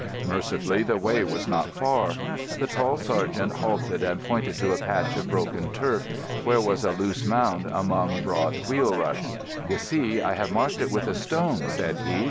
Mercifully the way was not far. The tall sergeant halted and pointed to a patch of broken turf, where was a loose mound among broad wheel ruts. "You see, I have marked it with a stone," said he.